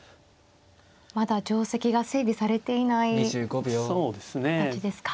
まだ定跡が整備されていない形ですか。